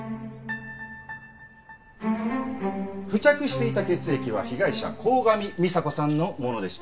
付着していた血液は被害者鴻上美沙子さんのものでした。